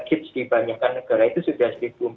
kits di banyak negara itu sudah